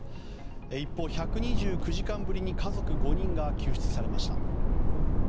一方、１２９時間ぶりに家族５人が救出されました。